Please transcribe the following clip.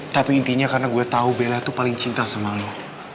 tapi intinya karena gue tahu bella tuh paling cinta sama lo